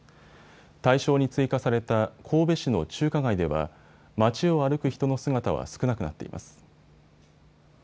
対象に追加された神戸市の中華街では街を歩く人の姿は少なくなっています。